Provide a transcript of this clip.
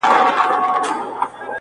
چي پاڼه وشړېدل,